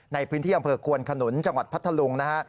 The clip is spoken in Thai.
ในพื้นที่อำเภอควนขนุนจังหวัดพัทธลุงนะฮะ